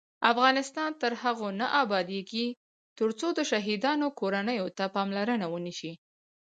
افغانستان تر هغو نه ابادیږي، ترڅو د شهیدانو کورنیو ته پاملرنه ونشي.